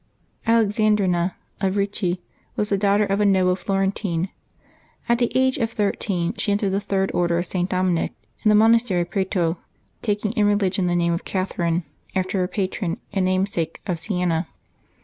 aLEXANDRiNA of Eicci was the daughter of a noble Florentine. At the age of thirteen she entered the Third Order of St. Dominic in the monastery of Prato, taking in religion the name of Catherine, after her patron and namesake of Siena.